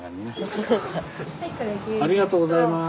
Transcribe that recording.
ありがとうございます。